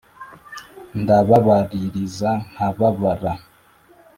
Ndababaririza nkababara